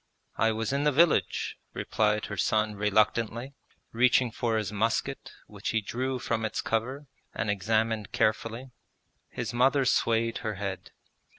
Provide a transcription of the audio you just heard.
'I was in the village,' replied her son reluctantly, reaching for his musket, which he drew from its cover and examined carefully. His mother swayed her head.